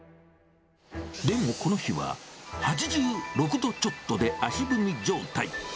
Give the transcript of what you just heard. でもこの日は８６度ちょっとで足踏み状態。